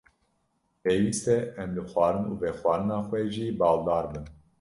Pêwîst e em li xwarin û vexwarina xwe jî baldar bin.